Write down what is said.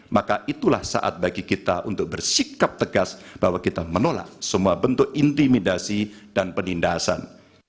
maka itulah saat bagi kita untuk bersikap tegas bahwa kita menolak semua bentuk intimidasi dan penindasan